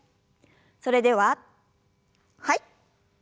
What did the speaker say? それでははい。